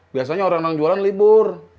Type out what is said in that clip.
biasanya orang orang jualan libur